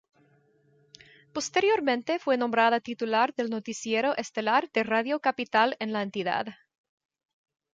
Posteriormente fue nombrada titular del noticiero estelar de Radio Capital en la entidad.